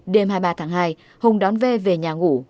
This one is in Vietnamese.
đêm hai mươi ba tháng hai hùng đón v về nhà ngủ